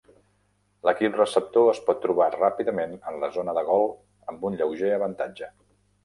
L'equip receptor es pot trobar ràpidament en la zona de gol amb un lleuger avantatge.